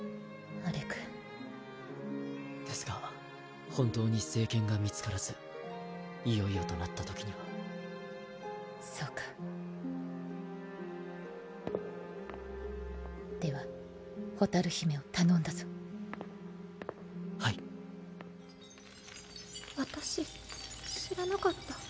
アレクですが本当に聖剣が見つからずいよいよとなったときにはそうかでは蛍姫を頼んだぞはい私知らなかった。